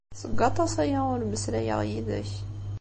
Seg waṭas-aya ur mmeslayeɣ yid-k.